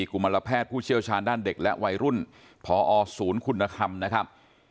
กุมารแพทย์ผู้เชี่ยวชาญด้านเด็กและวัยรุ่นพอศูนย์คุณธรรมนะครับ